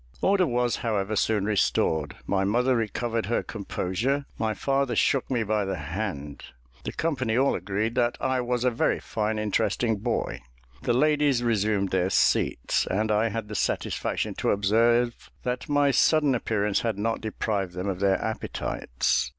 Order was, however, soon restored: my mother recovered her composure my father shook me by the hand the company all agreed that I was a very fine, interesting boy the ladies resumed their seats, and I had the satisfaction to observe that my sudden appearance had not deprived them of their appetites.